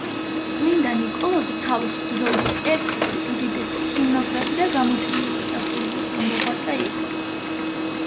წმინდა ნიკოლოზი თავისი დროის ერთ-ერთი უდიდესი ჰიმნოგრაფი და გამოჩენილი სასულიერო მოღვაწე იყო.